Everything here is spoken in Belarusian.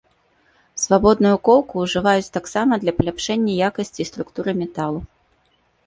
Свабодную коўка ўжываюць таксама для паляпшэння якасці і структуры металу.